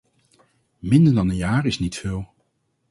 Minder dan een jaar is niet veel.